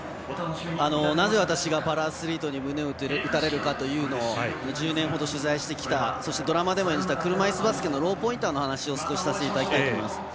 なぜ私がパラアスリートに胸を打たれるかというのを１０年ほど取材してきたそして、ドラマでも演じた車いすバスケのローポインターの話をさせていただきたいと思います。